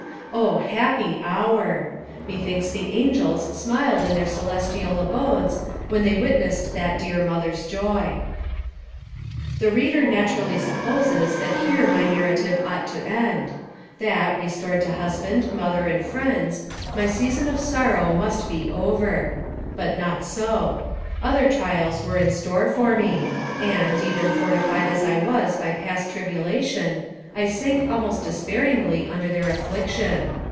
Oh! happy hour! Methinks the angels smiled in their celestial abodes when they witnessed that dear mother's joy. The reader naturally supposes that here my narra AMONG THE SIOUX INDIANS. 233 live ought to end; that, restored to husband, mother, and friends, my season of sorrow must be over. But not so. Other trials were in store for me, and, even fortified as I was by past tribulation, I sank almost despairingly under their affliction.